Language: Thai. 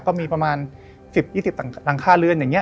ก็มีประมาณ๑๐๒๐ตังคาเรือน